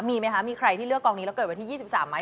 มีไหมคะมีใครที่เลือกกองนี้แล้วเกิดวันที่๒๓ไหม